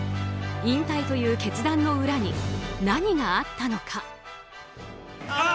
引退という決断の裏に何があったのか。